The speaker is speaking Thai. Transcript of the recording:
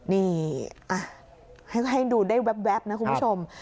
นี่ให้ดูได้แว๊บนะคุณผู้ชม